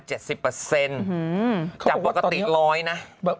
ก็บอกว่าปกติร้อยนะ